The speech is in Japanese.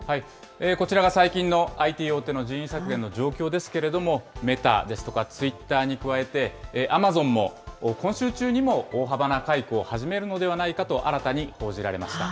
こちらが最近のＩＴ大手の人員削減の状況ですけれども、メタですとかツイッターに加えて、アマゾンも今週中にも大幅な解雇を始めるのではないかと、新たに報じられました。